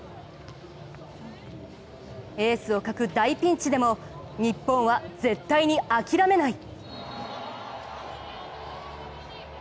エースを欠く大ピンチでも日本は絶対に諦めない。